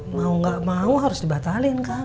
mau gak mau harus dibatalin kan